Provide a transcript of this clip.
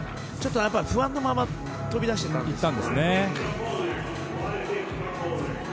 不安のまま飛び出していったんですね。